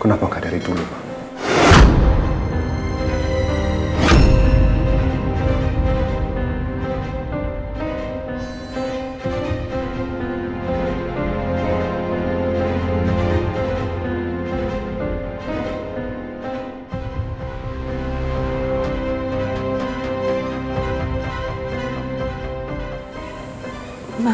kenapa gak dari dulu mama